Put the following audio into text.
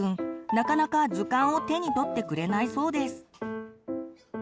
なかなか図鑑を手に取ってくれないそうです。